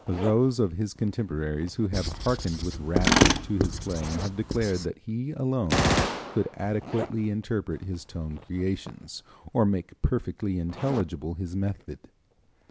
Those of his contemporaries who have harkened with rapture to his playing have declared that he alone could adequately interpret his tone creations, or make perfectly intelligible his method.